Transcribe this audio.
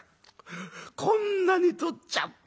こんなに取っちゃったよおい。